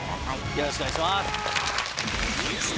よろしくお願いします。